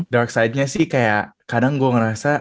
dark side nya sih kayak kadang gue ngerasa